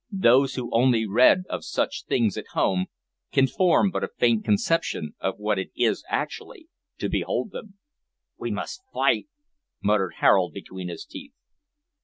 Those who only read of such things at home can form but a faint conception of what it is actually to behold them. "We must fight!" muttered Harold between his teeth.